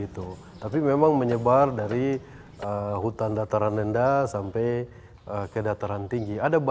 tapi memang menyebar dari hutan dataran rendah sampai ke dataran tinggi